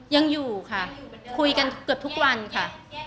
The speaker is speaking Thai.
ยังอยู่ค่ะคุยกันเกือบทุกวันค่ะ